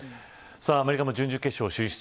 アメリカも準々決勝進出。